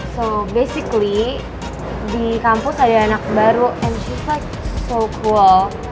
so basically di kampus ada anak baru and she's like so cool